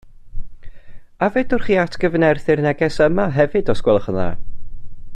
A fedrwch chi atgyfnerthu'r neges yma hefyd os gwelwch yn dda?